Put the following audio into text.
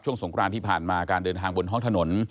สงครานที่ผ่านมาการเดินทางบนท้องถนน